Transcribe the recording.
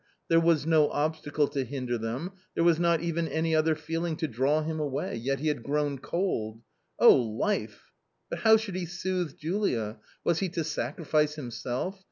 There was no obstacle to hinder them, there was not even any other feeling to draw him away, yet he had grown cold ! Oh, life ! But how should he soothe Julia ? Was he to sacrifice himself?